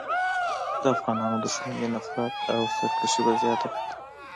د افغانانو دښمني، نفرت او سرکښي به زیاته کړي.